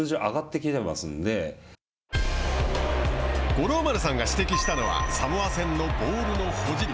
五郎丸さんが指摘したのはサモア戦のボールの保持率。